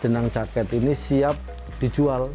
jenang jaket ini siap dijual